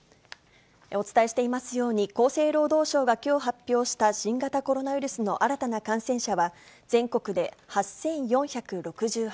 お伝えしていますように、厚生労働省がきょう発表した、新型コロナウイルスの新たな感染あれ？